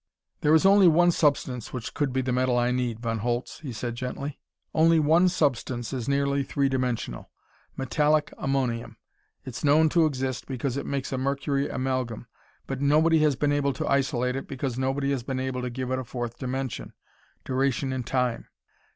"There is only one substance which could be the metal I need, Von Holtz," he said gently. "Only one substance is nearly three dimensional. Metallic ammonium! It's known to exist, because it makes a mercury amalgam, but nobody has been able to isolate it because nobody has been able to give it a fourth dimension duration in time.